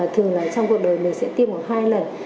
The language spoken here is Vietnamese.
thường là trong cuộc đời mình sẽ tiêm được hai lần